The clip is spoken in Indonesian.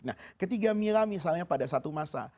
nah ketiga mila misalnya pada satu masa